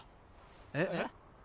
えっ？